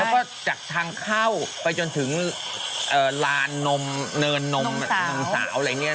แล้วก็จากทางเข้าไปจนถึงลานมเนินนมนมสาวอะไรอย่างนี้